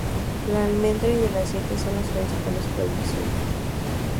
La almendra y el aceite son las principales producciones.